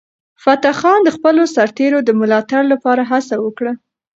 فتح خان د خپلو سرتیرو د ملاتړ لپاره هڅه وکړه.